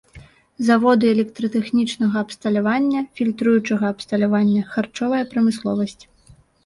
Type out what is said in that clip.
Заводы электратэхнічнага абсталявання, фільтруючага абсталявання, харчовая прамысловасць.